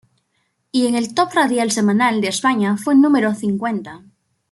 Y en el top radial semanal de España fue número cincuenta.